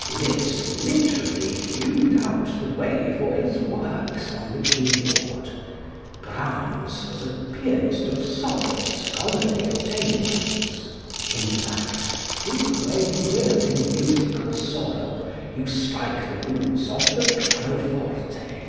Liszt literally hewed out the way for his works on the keyboard. Brahms was a pianist of solid, scholarly attainments. In fact, dig where you will in musical soil, you strike the roots of the pianoforte.